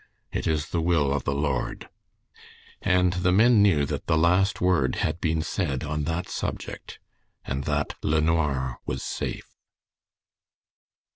It is the will of the Lord." And the men knew that the last word had been said on that subject, and that LeNoir was safe.